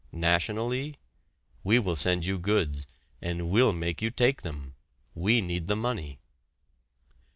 Nationally: "We will send you goods, and we'll make you take them we need the money!"